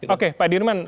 oke pak dirman